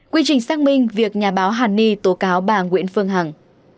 quy trình xác minh việc nhà báo hàn ni tố cáo bà nguyễn phương hằng